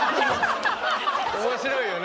面白いよな。